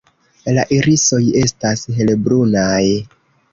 La irisoj estas helbrunaj.